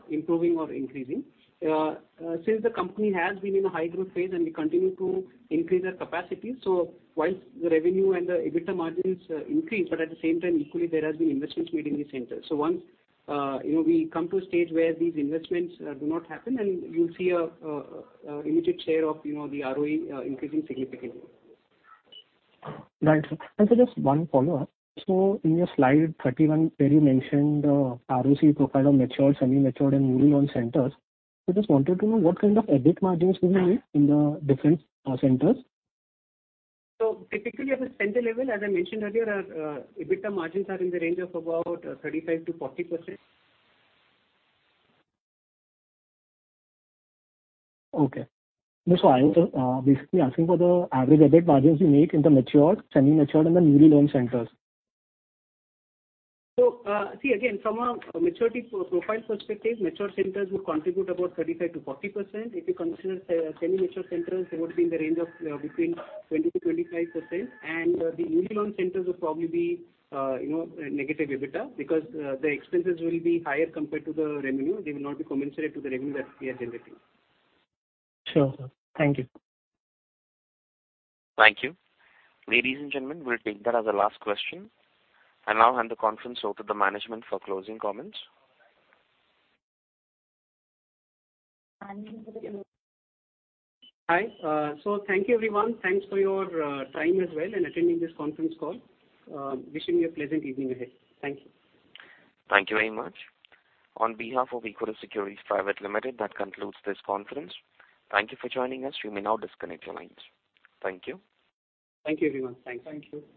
improving or increasing. Since the company has been in a high growth phase and we continue to increase our capacity, whilst the revenue and the EBITDA margins increase, at the same time, equally, there has been investments made in the center. Once, you know, we come to a stage where these investments do not happen, and you'll see a immediate share of, you know, the ROE increasing significantly. Right. Just one follow-up. In your Slide 31, where you mentioned the ROC profile of mature, semi-mature, and newly launched centers, I just wanted to know what kind of EBIT margins you make in the different centers. Typically, at the center level, as I mentioned earlier, EBITDA margins are in the range of about 35%-40%. Okay. I was basically asking for the average EBIT margins you make in the mature, semi-mature, and the newly launched centers. See again, from a maturity profile perspective, mature centers would contribute about 35%-40%. If you consider semi-mature centers, they would be in the range of between 20%-25%. The newly launched centers would probably be, you know, negative EBITDA, because the expenses will be higher compared to the revenue. They will not be commensurate to the revenue that we are generating. Sure, sir. Thank you. Thank you. Ladies and gentlemen, we'll take that as the last question. I now hand the conference over to the management for closing comments. Hi. Thank you, everyone. Thanks for your time as well in attending this conference call. Wishing you a pleasant evening ahead. Thank you. Thank you very much. On behalf of Equirus Securities Private Limited, that concludes this conference. Thank you for joining us. You may now disconnect your lines. Thank you. Thank you, everyone. Thanks. Thank you.